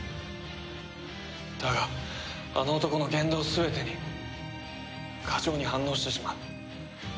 だがあの男の言動全てに過剰に反応してしまう。